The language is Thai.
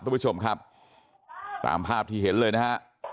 ทุกผู้ชมครับตามภาพที่เห็นเลยนะฮะ